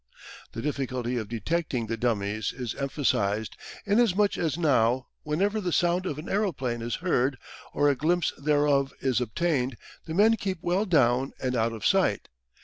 The difficulty of detecting the dummies is emphasised, inasmuch as now, whenever the sound of an aeroplane is heard, or a glimpse thereof is obtained, the men keep well down and out of sight.